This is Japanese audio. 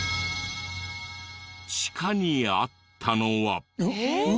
地下にあったのは。